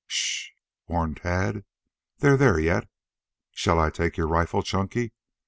"S h h h!" warned Tad. "They're there yet. Shall I take your rifle, Chunky?